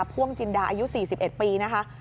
พ่วงจินดาอายุ๔๑ปีนะคะ